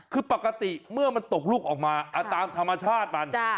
คือปกติเมื่อมันตกลูกออกมาตามธรรมชาติมัน